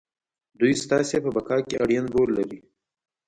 دوی ستاسې په بقا کې اړين رول لري.